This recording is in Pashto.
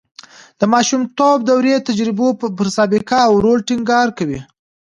د ماشومتوب دورې تجربو پر سابقه او رول ټینګار کوي